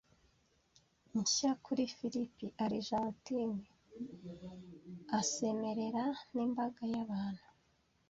Nshya kuri Philipp Argentine asemerera n'imbaga y'abantu